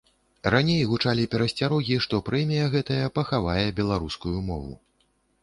Раней гучалі перасцярогі, што прэмія гэтая пахавае беларускую мову.